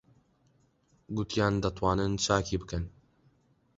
گوتیان دەتوانن چاکی بکەن.